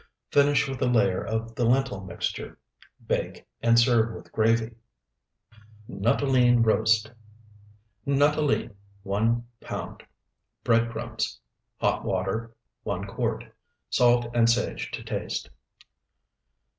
Finish with a layer of the lentil mixture. Bake, and serve with gravy. NUTTOLENE ROAST Nuttolene, 1 pound. Bread crumbs. Hot water, 1 quart. Salt and sage to taste.